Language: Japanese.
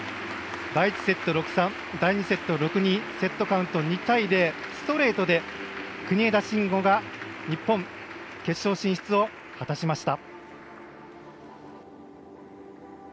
第１セット、６−３第２セット６−２セットカウント２対０ストレートで国枝慎吾が日本決勝進出を果たしました。